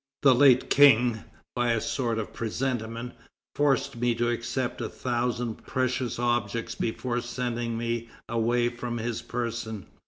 ... The late King, by a sort of presentiment, forced me to accept a thousand precious objects before sending me away from his person.